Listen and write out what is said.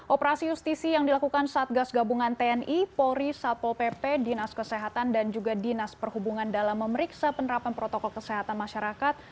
operasi justisi yang dilakukan satgas gabungan tni polri satpol pp dinas kesehatan dan juga dinas perhubungan dalam memeriksa penerapan protokol kesehatan masyarakat